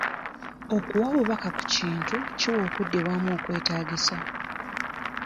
Okuwa obubaka ku kintu kiwa okuddibwamu okwetaagisa.